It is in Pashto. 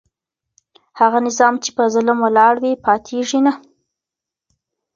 هغه نظام چي په ظلم ولاړ وي پاتیږي نه.